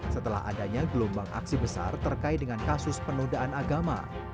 setelah adanya gelombang aksi besar terkait dengan kasus penodaan agama